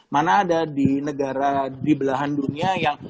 mana ada di negara di belahan dunia yang